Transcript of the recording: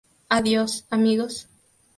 Adiós, amigos.